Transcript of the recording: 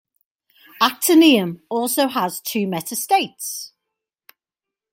Actinium also has two meta states.